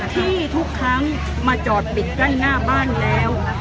ที่ทุกครั้งมาจอดปิดใกล้หน้าบ้านแล้ว